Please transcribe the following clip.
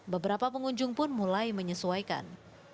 beberapa pengunjung pun mulai menyesuaikan